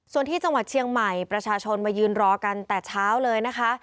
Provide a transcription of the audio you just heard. ส่วนที่จังหวัดเชียงใหม่ประชาชนมายืนรอกันแต่เช้าเลยนะคะ